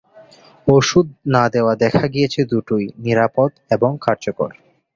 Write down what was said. ওষুধ না-দেওয়া দেখা গিয়েছে দুটোই: নিরাপদ এবং কার্যকর।